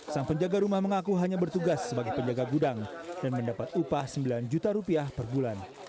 sang penjaga rumah mengaku hanya bertugas sebagai penjaga gudang dan mendapat upah sembilan juta rupiah per bulan